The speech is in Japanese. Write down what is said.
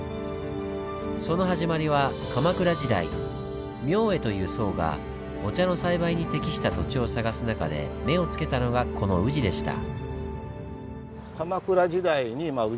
その始まりは鎌倉時代明恵という僧がお茶の栽培に適した土地を探す中で目をつけたのがこの宇治でした。